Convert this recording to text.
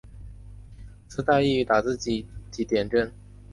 丝带亦于打字机及点阵式打印机使用染色的色带储存墨水。